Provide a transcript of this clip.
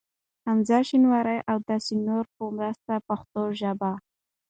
حمزه شینواري ا و داسی نورو په مرسته پښتو ژبه